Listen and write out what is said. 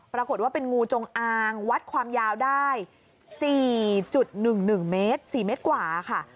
ปรากฏว่าเป็นงูจงอางวัดความยาวได้๔๑๑เมตร๔เมตรกว่าค่ะ